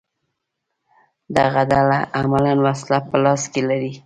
دغه ډله عملاً وسله په لاس کې لري